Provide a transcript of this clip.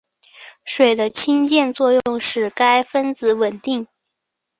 水的氢键作用使该分子稳定。